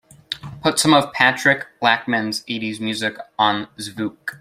Put some of Patrick Lachman's eighties music on Zvooq